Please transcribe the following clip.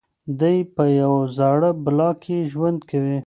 دی په یوه زاړه بلاک کې ژوند کوي.